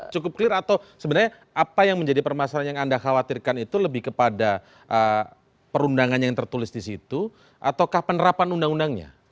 cukup clear atau sebenarnya apa yang menjadi permasalahan yang anda khawatirkan itu lebih kepada perundangan yang tertulis di situ ataukah penerapan undang undangnya